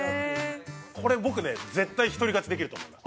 これ僕ね絶対一人勝ちできると思います